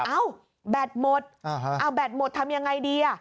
เอ้าแบตหมดเอาแบตหมดทำยังไงดีอ่ะ